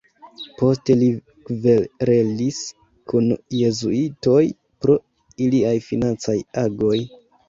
Poste li kverelis kun jezuitoj pro iliaj financaj agoj.